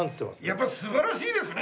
やっぱ素晴らしいですね。